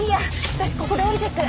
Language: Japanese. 私ここで降りていく！